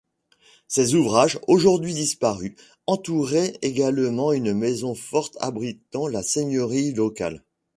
Ces ouvrages, aujourd'hui disparus, entouraient également une maison forte abritant la seigneurie locale.